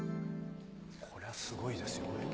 これはすごいですよ。